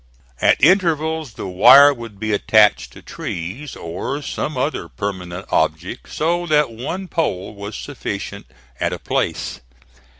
At intervals the wire would be attached to trees, or some other permanent object, so that one pole was sufficient at a place.